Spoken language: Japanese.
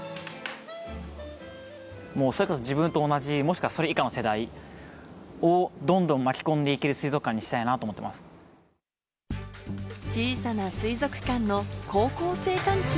もうとにかく自分と同じ、もしくはそれ以下の世代を、どんどん巻き込んでいける水族館小さな水族館の高校生館長。